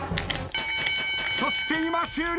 そして今終了。